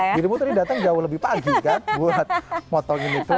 karena di rumah tadi datang jauh lebih pagi kan buat motong ini tuh